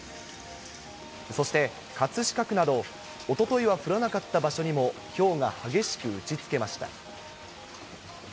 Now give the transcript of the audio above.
そして葛飾区など、おとといは降らなかった場所にも、ひょうが激しく打ちつけました。